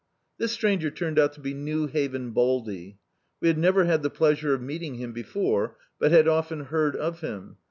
This stranger turned out to be New Haven Baldy. We had never had the pleasure of meeting him be fore, but had often heard of him.